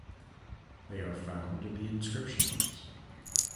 They are found in the inscriptions.